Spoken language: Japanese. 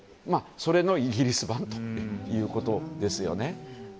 それのイギリス版ということですよね。